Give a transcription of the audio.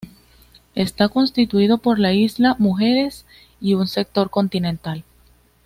Está constituido por la Isla Mujeres y un sector continental.